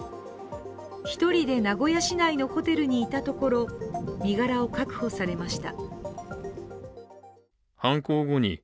１人で名古屋市内のホテルにいたところ身柄を確保されました。